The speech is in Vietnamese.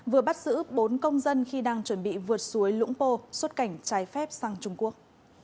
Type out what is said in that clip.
vừa bắt giữ bốn công dân khi đang chuẩn bị vượt suối lũng pô xuất cảnh trái phép sang trung quốc